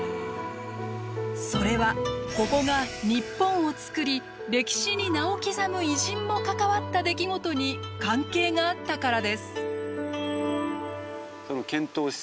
それはここが日本をつくり歴史に名を刻む偉人も関わった出来事に関係があったからです。